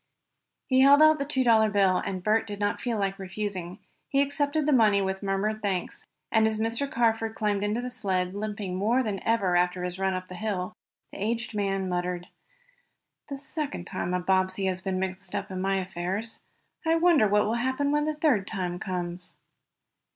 He held out the two dollar bill, and Bert did not feel like refusing. He accepted the money with murmured thanks, and as Mr. Carford climbed into the sled, limping more than ever after his run up the hill, the aged man muttered: "The second time a Bobbsey has been mixed up in my affairs. I wonder what will happen when the third time comes?"